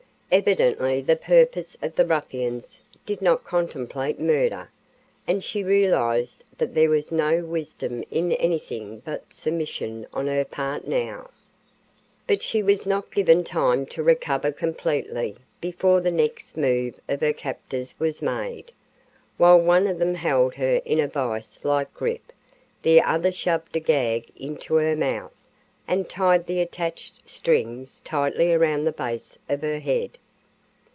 Evidently the purpose of the ruffians did not contemplate murder, and she realized that there was no wisdom in anything but submission on her part now. But she was not given time to recover completely before the next move of her captors was made. While one of them held her in a vise like grip, the other shoved a gag into her mouth and tied the attached strings tightly around the base of her head.